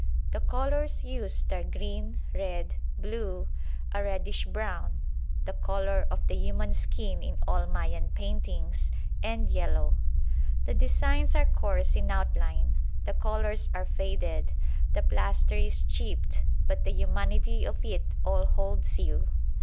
The colours used are green, red, blue, a reddish brown (the colour of the human skin in all Mayan paintings), and yellow. The designs are coarse in outline, the colours are faded, the plaster is chipped; but the humanity of it all holds you.